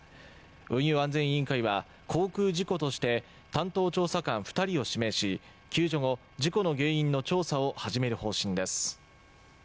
運輸安全委員会は航空事故として担当調査官２人を指名し、救助後、事故の原因の調査を始める方針です。